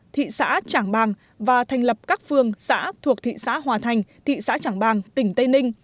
thị xã trảng bàng và thành lập các phương xã thuộc thị xã hòa thành thị xã trảng bàng tỉnh tây ninh